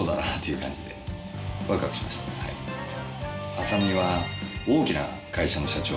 浅海は大きな会社の社長。